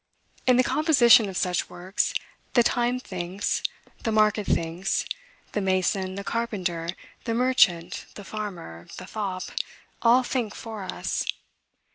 In the composition of such works, the time thinks, the market thinks, the mason, the carpenter, the merchant, the farmer, the fop, all think for us.